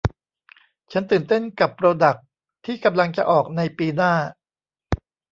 ฉันตื่นเต้นกับโปรดักส์ที่กำลังจะออกในปีหน้า